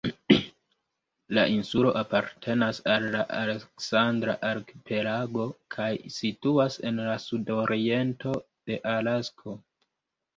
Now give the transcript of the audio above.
La insulo apartenas al la "Aleksandra arkipelago" kaj situas en la sudoriento de Alasko.